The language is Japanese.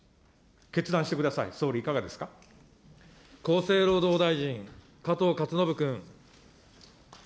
決断してください、総理、いかが厚生労働大臣、加藤勝信君。